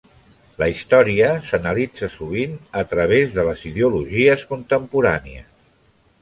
La història s'analitza sovint a través de les ideologies contemporànies.